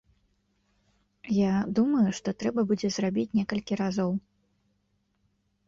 Я думаю, што трэба будзе зрабіць некалькі разоў.